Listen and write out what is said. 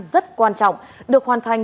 rất quan trọng được hoàn thành